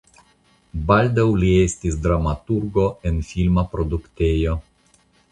Baldaŭ li estis dramaturgo en filma produktejo.